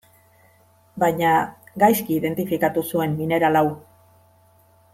Baina, gaizki identifikatu zuen mineral hau.